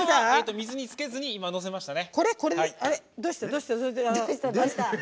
水につけずにのせましたね。